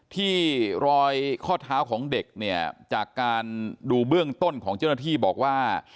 ที่รอยข้อเท้าของเด็กเนี่ยจากการดูเบื้องต้นของเจ้าหน้าที่บอกว่า